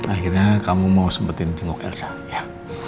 akhirnya kamu mau sempetin cenguk elsa ya